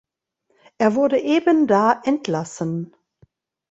Er wurde ebenda entlassen.